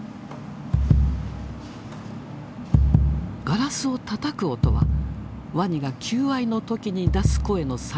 ガラスをたたく音はワニが求愛の時に出す声の再現。